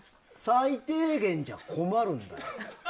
最低限じゃ困るんだよ。